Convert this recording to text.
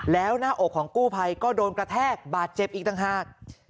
แล้วหน้าอกของกู้ภัยก็โดนกระแทกบาดเจ็บอีกต่างหาก